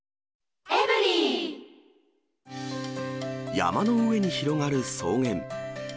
山の上に広がる草原。